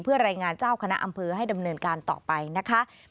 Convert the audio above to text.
เพื่อรายงานเจ้าคณะอำเภอให้ดำเนินการต่อไปนะคะ